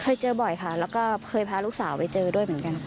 เคยเจอบ่อยค่ะแล้วก็เคยพาลูกสาวไปเจอด้วยเหมือนกันค่ะ